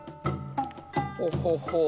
ほほほう